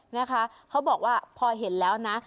นะคะเขาบอกว่าพอเห็นแล้วนะ